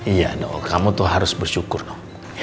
iya noh kamu tuh harus bersyukur noh